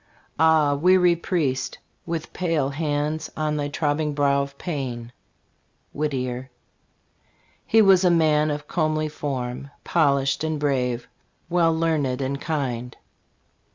Ah, weary priest ! with pale hands On thy trobbing brow of pain. Whit tier. He was a man of comely form, Polished and brave, well learned and kind.